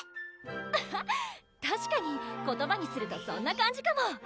アハッたしかに言葉にするとそんな感じかも！